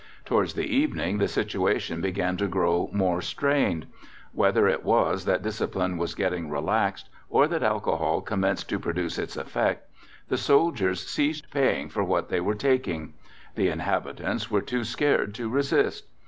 Towards the evening the situation began to grow more strained. Whether it was that discipline was getting relaxed, or that alcohol commenced to produce its effect, the soldiers ceased paying for what they were taking. The inhabitants were too scared to resist.